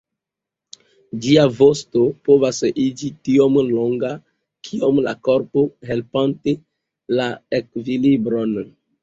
Ĝia vosto povas iĝi tiom longa kiom la korpo, helpante la ekvilibron.